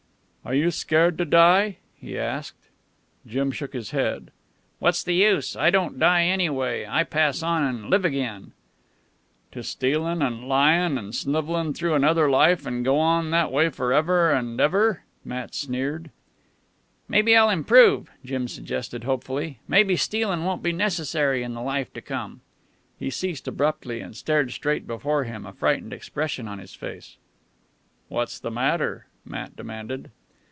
"Are you scared to die?" he asked. Jim shook his head. "What's the use? I don't die anyway. I pass on an' live again " "To go stealin', an' lyin', an' snivellin' through another life, an' go on that way forever an' ever an' ever?" Matt sneered. "Maybe I'll improve," Jim suggested hopefully. "Maybe stealin' won't be necessary in the life to come." He ceased abruptly, and stared straight before him, a frightened expression on his face. "What's the matter!" Matt demanded.